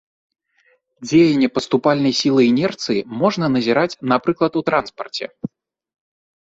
Дзеянне паступальнай сілы інерцыі можна назіраць, напрыклад, у транспарце.